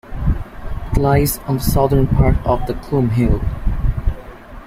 It lies on the southern part of the Chlum hill.